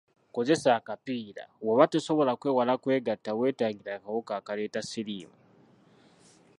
Kozesa akapiira bw'oba nga tosobola kwewala kwegatta weetangire akawuka akaleeta siriimu.